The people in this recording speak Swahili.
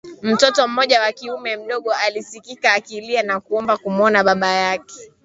mtoto mmoja wa kiume mdogo alisikika akilia na kuomba kumuona baba yake